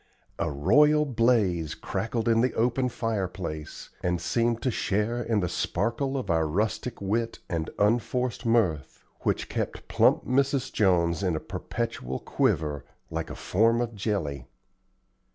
A royal blaze crackled in the open fireplace, and seemed to share in the sparkle of our rustic wit and unforced mirth, which kept plump Mrs. Jones in a perpetual quiver, like a form of jelly.